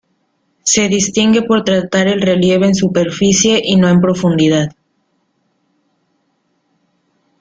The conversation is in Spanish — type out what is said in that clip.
Se distingue por tratar el relieve en superficie y no en profundidad.